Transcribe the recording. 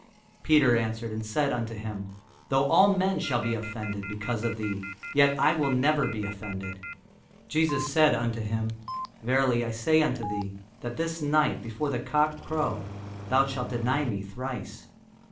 Peter answered and said unto him, Though all men shall be offended because of thee, yet will I never be offended. Jesus said unto him, Verily I say unto thee, That this night, before the cock crow, thou shalt deny me thrice.